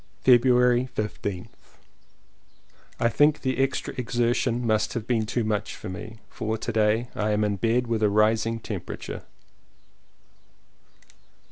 February 15th. I think the extra exertion must have been too much for me, for to day I am in bed with a rising temperature.